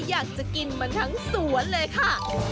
อยากจะกินมาทั้งสวนเลยค่ะ